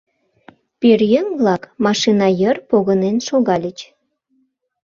Пӧръеҥ-влак машина йыр погынен шогальыч.